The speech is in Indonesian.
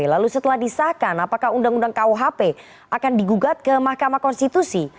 lalu setelah disahkan apakah undang undang kuhp akan digugat ke mahkamah konstitusi